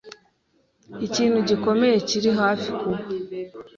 Ikintu gikomeye kiri hafi kuba.